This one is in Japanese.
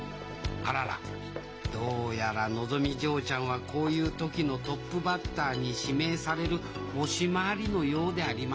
あららどうやらのぞみ嬢ちゃんはこういう時のトップバッターに指名される星回りのようであります。